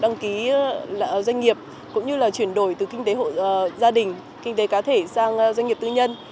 đăng ký doanh nghiệp cũng như là chuyển đổi từ kinh tế hộ gia đình kinh tế cá thể sang doanh nghiệp tư nhân